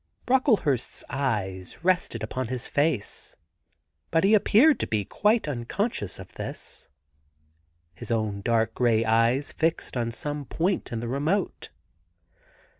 Brocklehurst's eyes rested upon his face, hut he appeared to be quite unconscious of this, his own dark grey eyes fixed on some point in the remote.